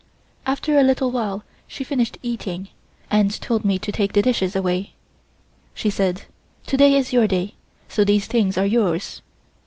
After a little while she finished eating, and told me to take the dishes away. She said: "To day is your day, so these things are yours.